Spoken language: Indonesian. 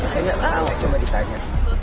saya nggak tahu coba ditanya